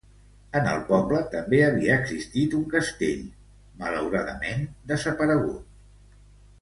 En el poble també havia existit un castell, malauradament desaparegut.